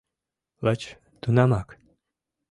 Лач тунамак...